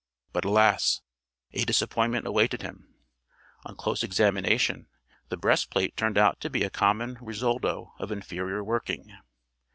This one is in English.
But alas! a disappointment awaited him. On close examination the breast plate turned out to be a common Risoldo of inferior working.